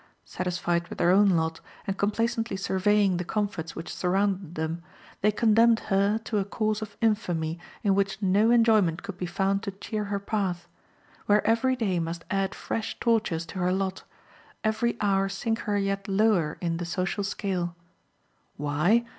Satisfied with their own lot, and complacently surveying the comforts which surrounded them, they condemned her to a course of infamy in which no enjoyment could be found to cheer her path; where every day must add fresh tortures to her lot, every hour sink her yet lower in the social scale. Why?